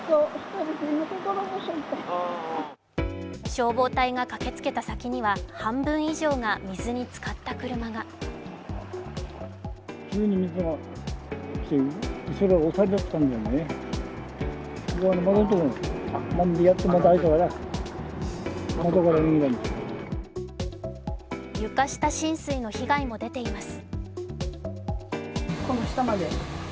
消防隊が駆けつけた先には半分以上が水につかった車が床下浸水の被害も出ています。